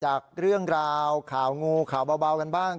จากเรื่องราวข่าวงูข่าวเบากันบ้าง